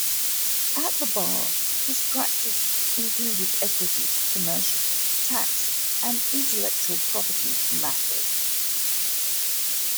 At the bar, his practice included equity, commercial, tax and intellectual property matters.